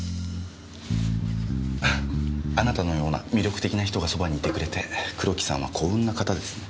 あなたのような魅力的な人がそばにいてくれて黒木さんは幸運な方ですね。